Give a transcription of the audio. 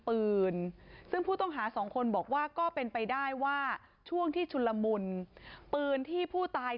ตอนนี้กำลังจะโดดเนี่ยตอนนี้กำลังจะโดดเนี่ย